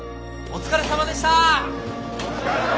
お疲れさまでした！